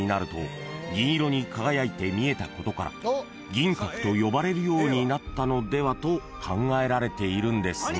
［ことから銀閣と呼ばれるようになったのではと考えられているんですが］